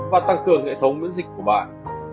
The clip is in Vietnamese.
và tăng cường hệ thống miễn dịch của bạn